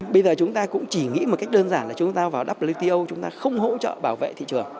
bây giờ chúng ta cũng chỉ nghĩ một cách đơn giản là chúng ta vào wto chúng ta không hỗ trợ bảo vệ thị trường